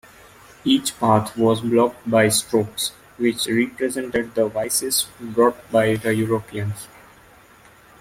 Each path was blocked by 'strokes' which represented the vices brought by the Europeans.